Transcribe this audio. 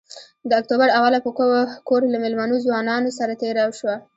د اکتوبر اوله په کور له مېلمنو ځوانانو سره تېره شوه.